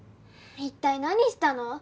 一体何したの？